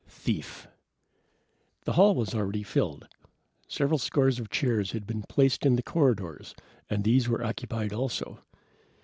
Thief The hall was already filled. Several scores of chairs had been placed in the corridors, and these were occupied also.